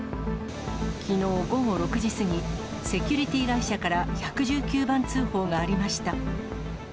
きのう午後６時過ぎ、セキュリティー会社から１１９番通報がありました。